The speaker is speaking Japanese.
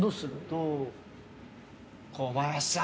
小林さん！